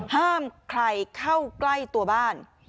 ห้ามใครเข้าใกล้ตัวบ้าน